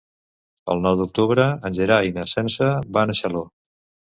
El nou d'octubre en Gerai i na Sança van a Xaló.